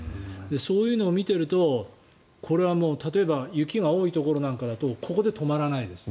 そういうのを見ているとこれはもう例えば雪が多いところなんかだとここで止まらない。